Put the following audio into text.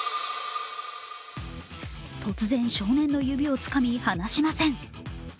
突然少年の指をつかみ離しません。